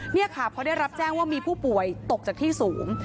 นี่ค่ะพอได้รับแจ้งว่ามีผู้ป่วยตกจากที่สูง